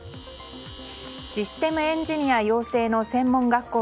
システムエンジニア養成の専門学校